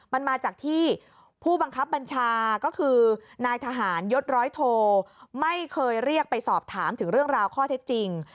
มันมาจากที่ผู้บังคับบัญชาก็คือนายทหารยศร้อยโทไม่เคยเรียกไปสอบถามถึงเรื่องราวข้อเท็จจริง